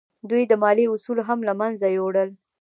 دوی د مالیې اصول هم له منځه یوړل.